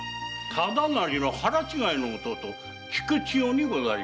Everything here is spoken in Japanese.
忠成の腹違いの弟菊千代にございまする。